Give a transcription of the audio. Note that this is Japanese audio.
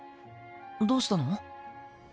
どうしたの？